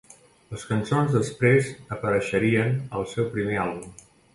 Les cançons després apareixerien al seu primer àlbum.